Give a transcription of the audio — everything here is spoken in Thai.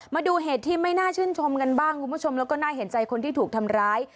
มาดูเหตุที่ไม่น่าชื่นชมกันบ้างคุณผู้ชมแล้วก็น่าเห็นใจคนที่ถูกทำร้าย